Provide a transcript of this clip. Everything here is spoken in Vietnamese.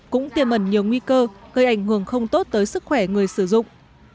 cũng tiềm ẩn nhiều nguy cơ gây ảnh hưởng không tốt tới sức khỏe người sử dụng